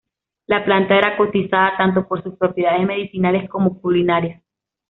La planta era cotizada tanto por sus propiedades medicinales como culinarias.